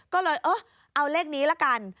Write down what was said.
ก็เลยเออเอาเลขนี้ละกัน